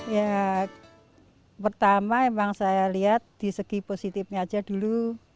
ya pertama emang saya lihat di segi positifnya aja dulu